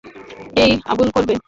এই আবুল করবে।